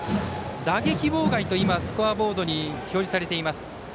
打撃妨害とスコアボードに表示されています。